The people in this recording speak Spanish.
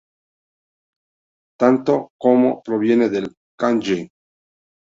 Tanto ぬ como ヌ provienen del kanji 奴.